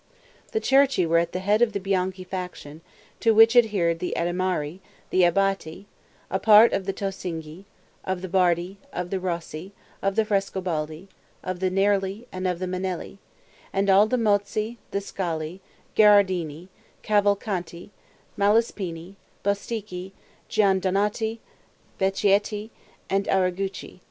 The Cerchi were at the head of the Bianchi faction, to which adhered the Adimari, the Abati, a part of the Tosinghi, of the Bardi, of the Rossi, of the Frescobaldi, of the Nerli, and of the Manelli; all the Mozzi, the Scali, Gherardini, Cavalcanti, Malespini, Bostichi, Giandonati, Vecchietti, and Arrigucci.